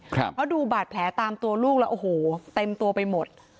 เพราะดูบาดแผลตามตัวลูกแล้วโอ้โหเต็มตัวไปหมด